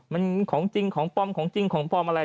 มันของจริงของปลอมของจริงของปลอมอะไร